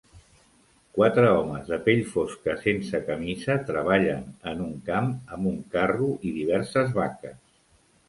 Quatre homes de pell fosca sense camisa treballen en un camp amb un carro i diverses vaques